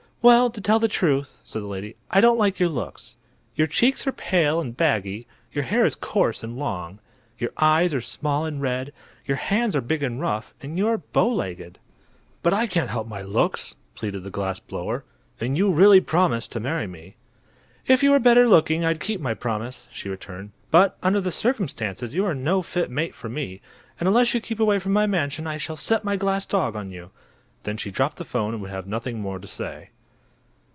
"Well, to tell the truth," said the lady, "I don't like your looks. Your cheeks are pale and baggy, your hair is coarse and long, your eyes are small and red, your hands are big and rough, and you are bow legged." "But I can't help my looks!" pleaded the glass blower; "and you really promised to marry me." "If you were better looking I'd keep my promise," she returned. "But under the circumstances you are no fit mate for me, and unless you keep away from my mansion I shall set my glass dog on you!" Then she dropped the 'phone and would have nothing more to say.